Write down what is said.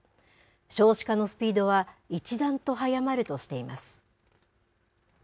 少子化のスピードは、一段と早まるとしています。